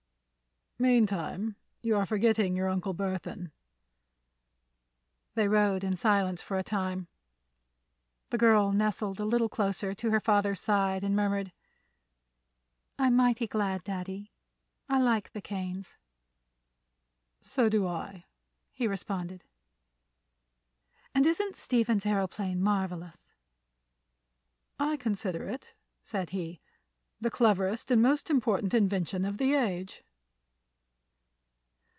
"Meantime, you are forgetting your Uncle Burthon." They rode in silence for a time. Then the girl nestled a little closer to her father's side and murmured: "I'm mighty glad, Daddy. I like the Kanes." "So do I," he responded. "And isn't Stephen's aëroplane marvelous?" "I consider it," said he, "the cleverest and most important invention of the age."